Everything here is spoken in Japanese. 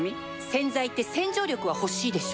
洗剤って洗浄力は欲しいでしょ